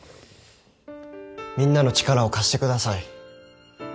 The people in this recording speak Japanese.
みんなの力を貸してください。